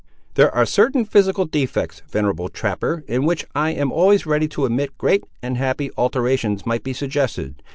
"There are certain physical defects, venerable trapper, in which I am always ready to admit great and happy alterations might be suggested.